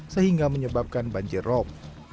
sehingga menyebabkan banjir rom